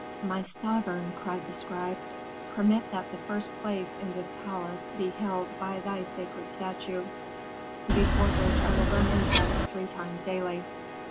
"'My sovereign,' cried the scribe, 'permit that the first place in this palace be held by thy sacred statue, before which I will burn incense three times daily.'